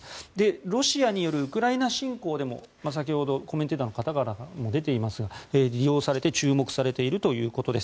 ロシアによるウクライナ侵攻でも先ほどコメンテーターの方からも出ていますが利用されて注目されているということです。